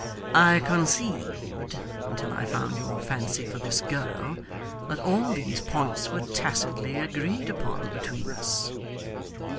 I conceived, until I found your fancy for this girl, that all these points were tacitly agreed upon between us.